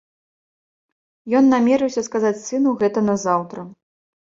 Ён намерыўся сказаць сыну гэта назаўтра.